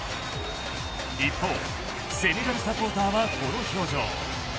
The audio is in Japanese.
一方、セネガルサポーターはこの表情。